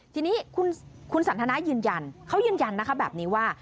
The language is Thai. ทีนี้คุณสันทนายืนยันเขายืนยันนะคะแบบนี้ว่า